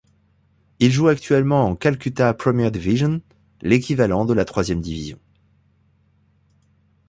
Il joue actuellement en Calcutta Premier Division, l'équivalent de la troisième division.